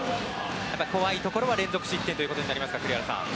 怖いところは連続失点ということになりますか栗原さん。